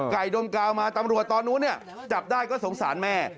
ดมกาวมาตำรวจตอนนู้นจับได้ก็สงสารแม่